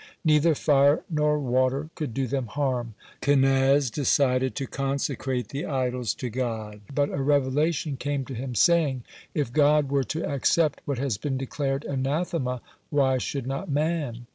Neither fire nor water could do them harm. Kenaz decided to consecrate the idols to God, but a revelation came to him, saying: "If God were to accept what has been declared anathema, why should not man?"